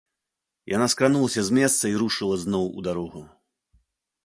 Яна скранулася з месца і рушыла зноў у дарогу.